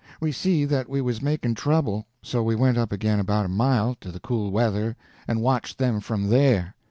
We see that we was making trouble, so we went up again about a mile, to the cool weather, and watched them from there.